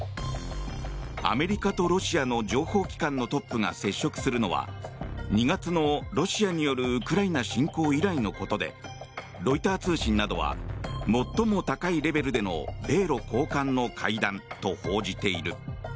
アメリカとロシアの情報機関のトップが接触するのは２月のロシアによるウクライナ侵攻以来のことでロイター通信などは最も高いレベルでの米ロ高官の会談と報じている。